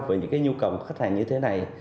về những cái nhu cầu của khách hàng như thế này